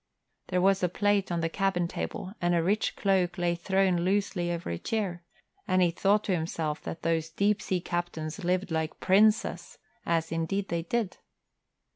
There was plate on the cabin table and a rich cloak lay thrown loosely over a chair; and he thought to himself that those deep sea captains lived like princes, as indeed they did.